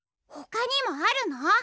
ほかにもあるの？